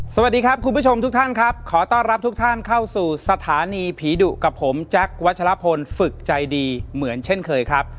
สวัสดีครับคุณผู้ชมทุกท่านครับขอต้อนรับทุกท่านเข้าสู่สถานีผีดุกับผมแจ๊ควัชลพลฝึกใจดีเหมือนเช่นเคยครับ